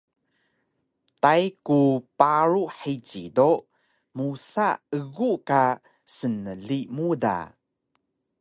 Tai ku paru hici do musa egu ka snli mu da